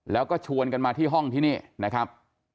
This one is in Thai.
แล้วก็ชวนกันมาที่ห้องที่นี่นะครับ